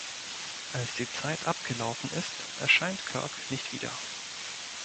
Als die Zeit abgelaufen ist, erscheint Kirk nicht wieder.